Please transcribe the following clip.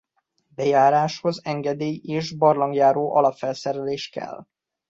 Bejárásához engedély és barlangjáró alapfelszerelés kell.